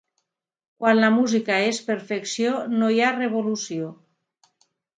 Quan la música és perfecció, no hi ha revolució.